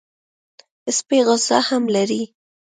سپي غصه هم لري.